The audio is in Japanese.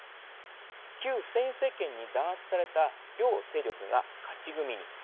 旧フセイン政権に弾圧された両勢力が勝ち組に。